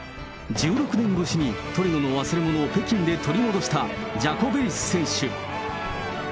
１６年越しに、トリノの忘れ物を北京で取り戻したジャコベリス選手。